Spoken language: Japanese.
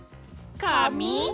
かみ？